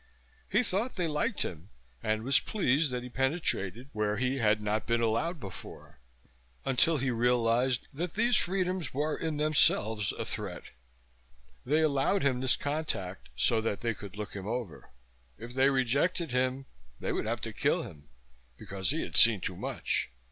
He thought they liked him and was pleased that he penetrated where he had not been allowed before ... until he realized that these freedoms were in themselves a threat. They allowed him this contact so that they could look him over. If they rejected him they would have to kill him, because he had seen too much.